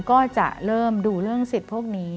ก็จะเริ่มดูเรื่องสิทธิ์พวกนี้